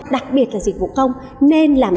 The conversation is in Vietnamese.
đặc biệt là dịch vụ không nên làm